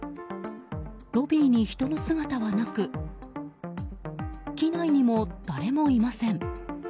ロビーに人の姿はなく機内にも誰もいません。